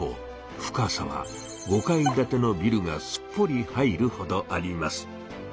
深さは５階建てのビルがすっぽり入るほどあります。